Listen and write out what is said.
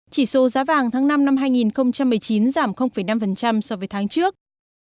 chỉ số giá vàng tháng năm năm hai nghìn một mươi chín giảm năm so với tháng trước